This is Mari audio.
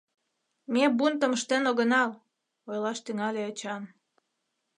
— Ме бунтым ыштен огынал! — ойлаш тӱҥале Эчан.